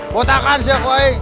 botakan si aku woy